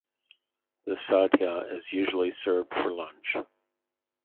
The sadhya is usually served for lunch.